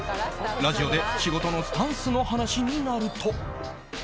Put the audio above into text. ラジオで仕事のスタンスの話になると。